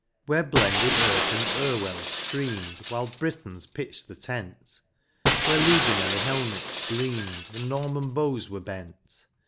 Where blended Irk and Irwell streamed While Britons pitched the tent, Where legionary helmets gleamed, And Norman bows were bent.